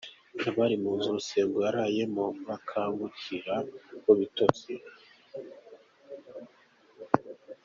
Abari mu nzu Rusengo yarayemo bakangukira mu bitotsi.